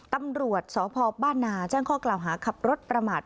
ตำรวจสพบ้านนาแจ้งข้อกล่าวหาขับรถประมาท